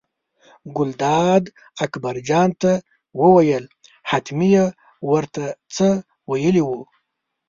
ګلداد اکبرجان ته وویل حتمي یې ور ته څه ویلي وو.